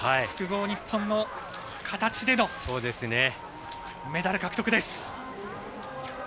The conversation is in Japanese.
複合の形でのメダル獲得です。